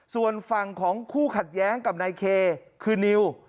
ส่วนฝั่งของคู่ขัดแย้งกับนายเคคือนิว